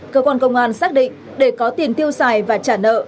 cơ quan công an xác định để có tiền tiêu xài và trả nợ